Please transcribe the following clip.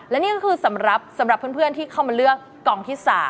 และนี่ก็คือสำหรับเพื่อนที่เข้ามาเลือกกล่องที่๓